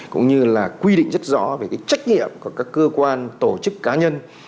cũng như là quy định rất rõ về trách nhiệm của các cơ quan tổ chức cá nhân